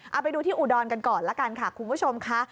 เอาไปดูที่อุดรกันก่อนละกันค่ะคุณผู้ชมค่ะ